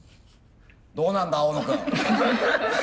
どうなんだ青野君。